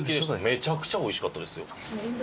めちゃくちゃ美味しかったですよ。